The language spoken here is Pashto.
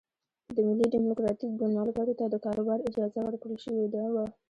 د ملي ډیموکراتیک ګوند ملګرو ته د کاروبار اجازه ورکړل شوې وه.